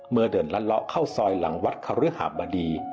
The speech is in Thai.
เมื่อเดินลัดเลาะเข้าซอยหลังวัดคฤหาบดี